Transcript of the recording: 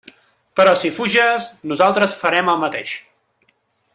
Però si fuges, nosaltres farem el mateix.